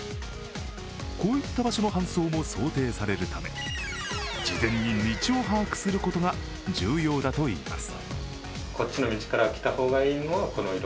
こういった場所の搬送も想定されるため、事前に道を把握することが重要だといいます。